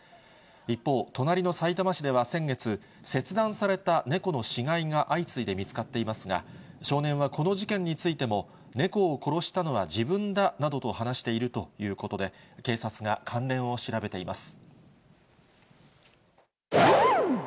一方、隣のさいたま市では先月、切断された猫の死骸が相次いで見つかっていますが、少年はこの事件についても、猫を殺したのは自分だなどと話しているということで、警察が関連を調べています。